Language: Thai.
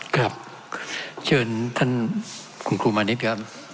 ครับเชิญท่านคุณครูมานิดครับ